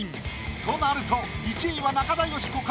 となると１位は中田喜子か？